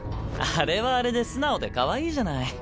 あれはあれで素直でかわいいじゃない。